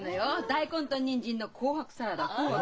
大根とニンジンの紅白サラダ。